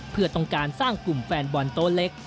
เพื่อต้องการสร้างกลุ่มแฟนบอลโต๊ะเล็ก